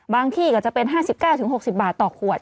ที่ก็จะเป็น๕๙๖๐บาทต่อขวด